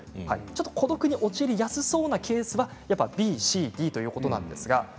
孤独に陥りやすそうなケースはＢＣＤなんですね。